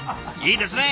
いいですね